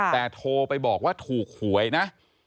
แต่โทรไปบอกว่าถูกหวยนะ